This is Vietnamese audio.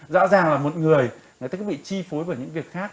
rõ ràng là một người người ta cứ bị chi phối bởi những việc khác